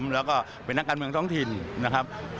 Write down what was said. แล้วก็เป็นนักการเมืองท้องถิ่นนะครับ